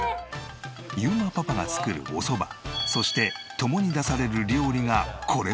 裕磨パパが作るおそばそして共に出される料理がこれまた絶品だという。